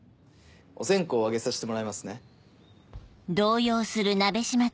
お線香上げさせてもらいますね。